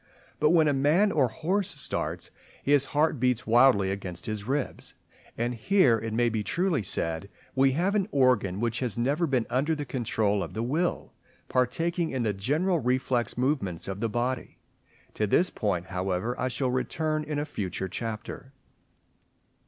But when a man or horse starts, his heart beats wildly against his ribs, and here it may be truly said we have an organ which has never been under the control of the will, partaking in the general reflex movements of the body. To this point, however, I shall return in a future chapter.